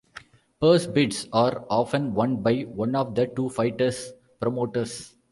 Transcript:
Purse bids are often won by one of the two fighters' promoters.